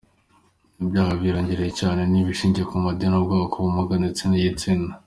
Ibyaha byiyongereye cyane ni ibishingiye ku madini, ubwoko, ubumuga ndetse n’igitsina.